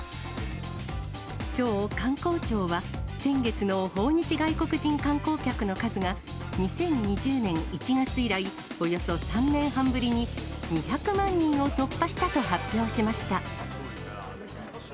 きょう、観光庁は先月の訪日外国人観光客の数が、２０２０年１月以来、およそ３年半ぶりに２００万人を突破したと発表しました。